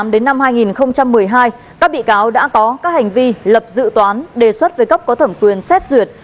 hai nghìn tám đến năm hai nghìn một mươi hai các bị cáo đã có các hành vi lập dự toán đề xuất với góc có thẩm quyền xét duyệt